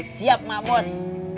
siap emak bos